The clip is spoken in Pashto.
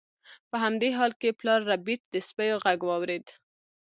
په همدې حال کې پلار ربیټ د سپیو غږ واورید